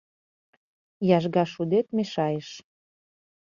Яжгашудет мешайыш.